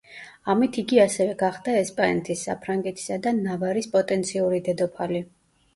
ამით იგი ასევე გახდა ესპანეთის, საფრანგეთისა და ნავარის პოტენციური დედოფალი.